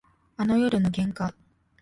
あの夜の喧嘩